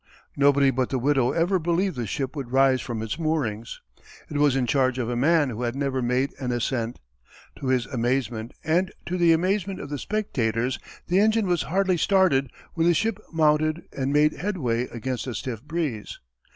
Nobody but the widow ever believed the ship would rise from its moorings. It was in charge of a man who had never made an ascent. To his amazement and to the amazement of the spectators the engine was hardly started when the ship mounted and made headway against a stiff breeze.